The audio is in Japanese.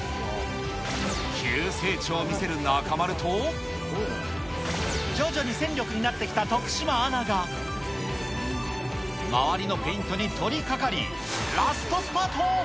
急成長を見せる中丸と、徐々に戦力になってきた徳島アナが周りのペイントに取りかかり、ラストスパート。